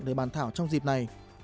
để bàn thảo trong dịp này